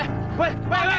eh bukan maling